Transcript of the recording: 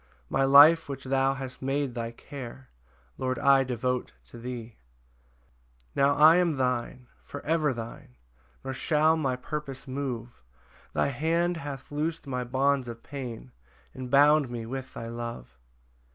My life which thou hast made thy care, Lord, I devote to thee. 5 Now I am thine, for ever thine, Nor shall my purpose move; Thy hand hath loos'd my bonds of pain, And bound me with thy love.